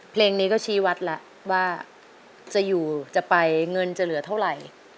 เพลงนี้ก็ชี้วัดแล้วว่าจะอยู่จะไปเงินจะเหลือเท่าไหร่